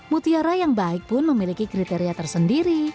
mutiara yang baik pun memiliki kriteria tersendiri